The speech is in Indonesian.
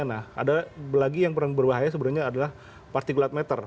nah ada lagi yang paling berbahaya sebenarnya adalah partikulat meter